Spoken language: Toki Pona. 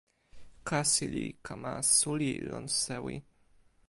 kasi li kama suli lon sewi.